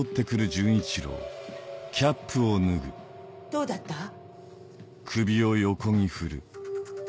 どうだった？ハァ。